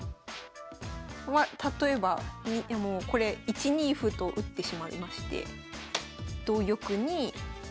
まあ例えばもうこれ１二歩と打ってしまいまして同玉に。